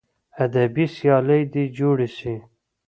ادبي سیالۍ دې جوړې سي.